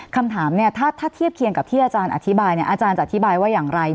คำถามเนี่ยถ้าเทียบเคียงกับที่อาจารย์อธิบายเนี่ยอาจารย์จะอธิบายว่าอย่างไร